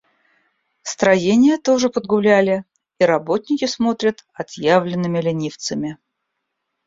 Строения тоже подгуляли, и работники смотрят отъявленными ленивцами.